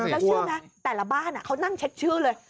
แล้วเชื่อไหมแต่ละบ้านเขานั่งเช็คชื่อเลย